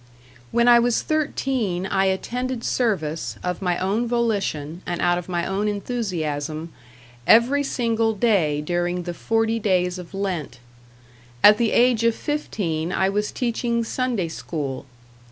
When I was thirteen, I attended service, of my own volition and out of my own enthusiasm, every single day during the forty days of Lent; at the age of fifteen I was teaching Sunday school.